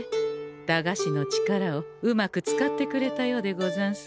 駄菓子の力をうまく使ってくれたようでござんすね。